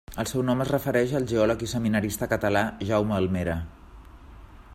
El seu nom es refereix al geòleg i seminarista català Jaume Almera.